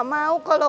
abis mama tuh gak mau